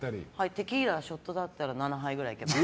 テキーラ、ショットだったら７杯ぐらいいけます。